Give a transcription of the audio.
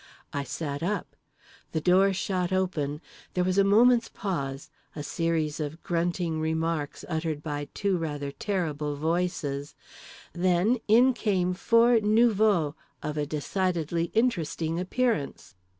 I sat up. The door shot open, there was a moment's pause, a series of grunting remarks uttered by two rather terrible voices; then in came four nouveaux of a decidedly interesting appearance.